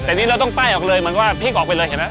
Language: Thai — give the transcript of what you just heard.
แต่นี่เราต้องป้ายออกเลยเหมือนว่าพลิกออกไปเลยเห็นไหม